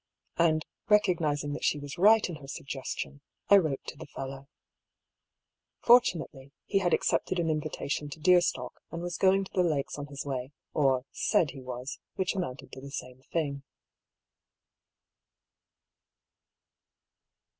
And recog nising that she was right in her suggestion, I wrote to the fellow. Fortunately he had accepted an inyita tion to deerstalk, and was going to the Lakes on his way (or said he was, which amounted to the same thing).